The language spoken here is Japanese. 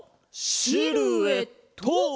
シルエット！